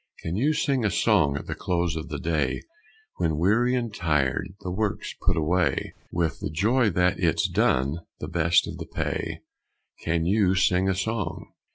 Can you sing a song at the close of the day, When weary and tired, the work's put away, With the joy that it's done the best of the pay, Can you sing a song?